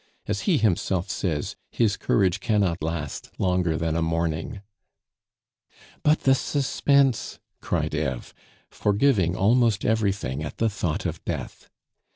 As he himself says, 'his courage cannot last longer than a morning '" "But the suspense!" cried Eve, forgiving almost everything at the thought of death.